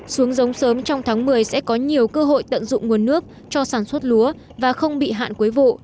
xuống giống sớm trong tháng một mươi sẽ có nhiều cơ hội tận dụng nguồn nước cho sản xuất lúa và không bị hạn cuối vụ